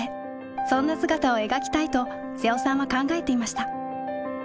そんな姿を描きたいと瀬尾さんは考えていました。